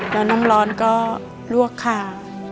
แล้วน้ำร้อนก็ลวกขา